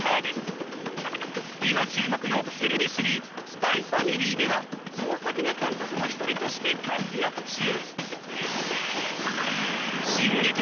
今注目のテレビシリーズ「ＳＰＹ×ＦＡＭＩＬＹ」では総作画監督の一人として活躍中。